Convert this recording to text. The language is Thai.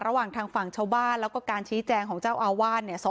ระหว่างทางฝั่งชาวบ้านแล้วก็การชี้แจงของเจ้าอาวาสเนี่ย